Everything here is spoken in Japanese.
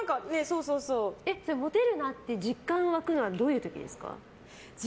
モテるなって実感が湧くのはどういう時ですか？